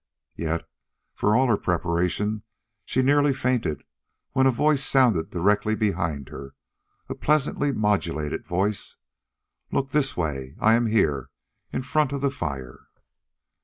Yet for all her preparation she nearly fainted when a voice sounded directly behind her, a pleasantly modulated voice: "Look this way. I am here, in front of the fire."